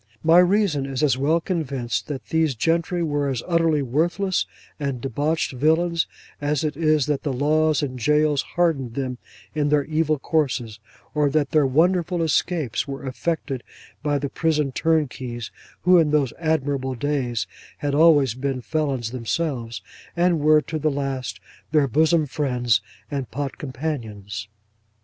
My reason is as well convinced that these gentry were as utterly worthless and debauched villains, as it is that the laws and jails hardened them in their evil courses, or that their wonderful escapes were effected by the prison turnkeys who, in those admirable days, had always been felons themselves, and were, to the last, their bosom friends and pot companions.